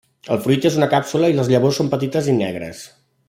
El fruit és una càpsula i les llavors són petites i negres.